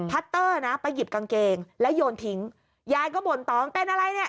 เตอร์นะไปหยิบกางเกงแล้วโยนทิ้งยายก็บ่นต่อมันเป็นอะไรเนี่ย